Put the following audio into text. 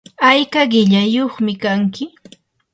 ¿ayka qillayyuqmi kanki?